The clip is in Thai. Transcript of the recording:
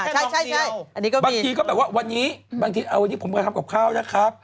ใช่บางทีก็แบบว่าวันนี้บางทีวันนี้ผมก็ทำกับข้าวนะครับ